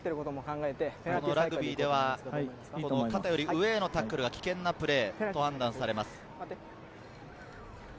ラグビーでは肩より上へのタックルは危険なプレーと判断されます。